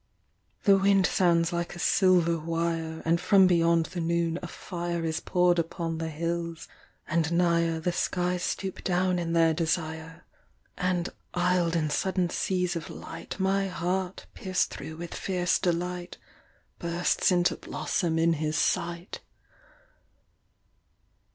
The wind sounds like a silver wire, And from beyond the noon a fire Is pour’d upon the hills, and nigher The skies stoop down in their desire; And, isled in sudden seas of light, My heart, pierced thro’ with fierce delight, Bursts into blossom in his sight.